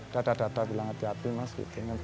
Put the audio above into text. dadah dadah bilang hati hati mas gitu